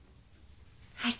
はい。